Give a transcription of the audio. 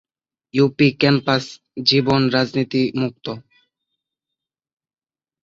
UP campus জীবন রাজনীতি মুক্ত।